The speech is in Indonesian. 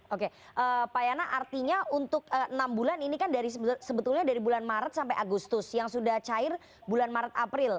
oke pak yana artinya untuk enam bulan ini kan dari sebetulnya dari bulan maret sampai agustus yang sudah cair bulan maret april